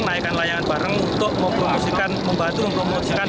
naikkan layangan bareng untuk mempromosikan membantu mempromosikan